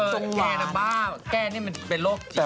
แกน่ะบ้าแกนี่มันเป็นโลกจริง